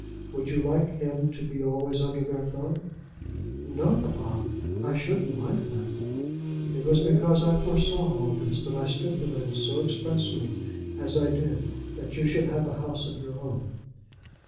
Would you like him to be always under their thumb?" "No, papa; I shouldn't like that." "It was because I foresaw all this that I stipulated so expressly as I did that you should have a house of your own.